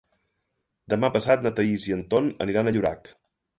Demà passat na Thaís i en Ton aniran a Llorac.